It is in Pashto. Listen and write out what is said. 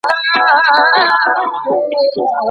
د بریا ګټه یوازي لایقو کسانو ته نه سي منسوبېدلای.